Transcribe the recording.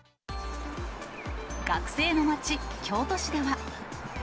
学生の街、京都市では。